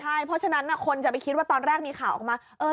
ใช่เพราะฉะนั้นคนจะไปคิดว่าตอนแรกมีข่าวออกมา